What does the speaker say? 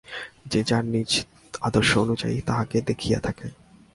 যে যার নিজ আদর্শ অনুযায়ী তাঁহাকে দেখিয়া থাকে।